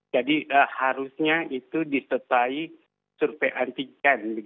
jadi harusnya itu disesuaikan survei antikan